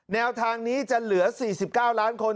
แนวทางนี้จะเหลือ๔๙ล้านคน